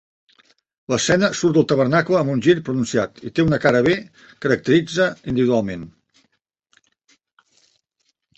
L'escena surt del tabernacle amb un gir pronunciat i té una cara bé caracteritza individualment.